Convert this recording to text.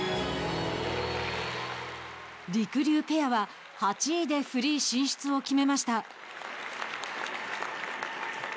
りくりゅうペアは８位でフリー進出を決めました。